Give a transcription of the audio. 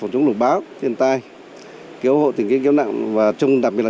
cho địa điểm an toàn